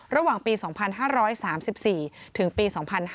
ระหว่างปี๒๕๓๔ถึงปี๒๕๕๙